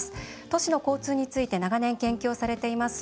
都市の交通について長年研究をされています